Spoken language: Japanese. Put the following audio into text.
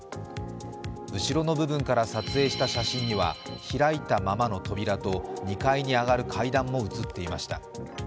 後ろの部分から撮影した写真には、開いたままの扉と２階に上がる階段も写っていました。